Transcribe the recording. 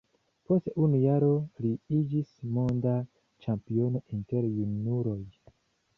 Post unu jaro li iĝis monda ĉampiono inter junuloj.